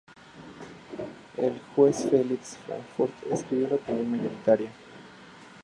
El Juez Felix Frankfurter escribió la opinión mayoritaria.